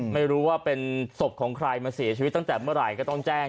ไม่รู้ว่าเป็นศพของใครมาเสียชีวิตตั้งแต่เมื่อไหร่ก็ต้องแจ้ง